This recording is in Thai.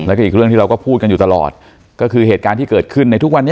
แล้วก็อีกเรื่องที่เราก็พูดกันอยู่ตลอดก็คือเหตุการณ์ที่เกิดขึ้นในทุกวันนี้